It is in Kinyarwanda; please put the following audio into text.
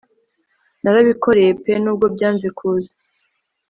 Narabikoreye pe nubwo byanze kuza